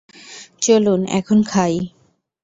চলুন এখন খাই?